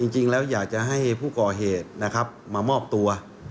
จริงแล้วอยากจะให้ผู้ก่อเหตุนะครับมามอบตัว